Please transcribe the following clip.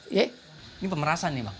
ini pemerasan nih bang